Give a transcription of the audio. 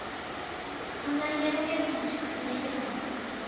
そんなに寝ぼけるまで熟睡してたの？